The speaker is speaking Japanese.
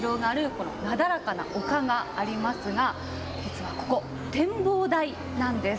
このなだらかな丘がありますが実はここ、展望台なんです。